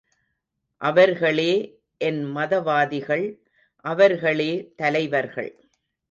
அவர்களே என் மதவாதிகள், அவர்களே தலைவர்கள்.